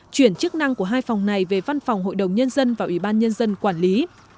chuyển chức năng của hai phòng này về văn phòng hội đồng nhân dân và ủy ban nhân dân quản lý